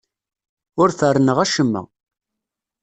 Ur ferrneɣ acemma.